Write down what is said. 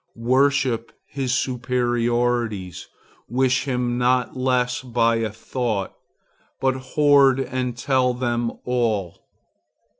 Worship his superiorities; wish him not less by a thought, but hoard and tell them all.